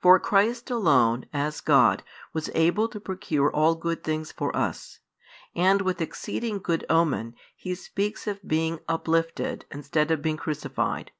For Christ alone, as God, was able to procure all good things for us. And with exceeding good omen, He speaks of being "uplifted" instead of being "crucified."